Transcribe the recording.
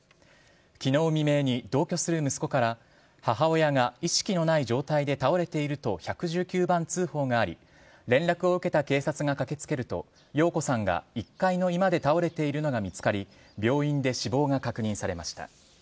きのう未明に同居する息子から、母親が意識のない状態で倒れていると１１９番通報があり、連絡を受けた警察が駆けつけると、陽子さんが１階の居間で倒れているのが見つかり、病院で死亡が確認されました。